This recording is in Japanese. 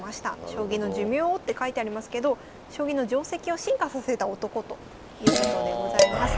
「将棋の寿命を」って書いてありますけど将棋の定跡を進化させた男ということでございます。